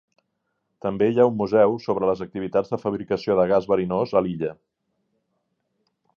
També hi ha un museu sobre les activitats de fabricació de gas verinós a l'illa.